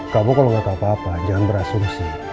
kamu kalau ngata apa apa jangan berasumsi